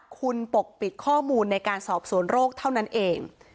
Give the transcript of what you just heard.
คุณปกปิดข้อมูลในการสอบสวนโรคเท่านั้นเอง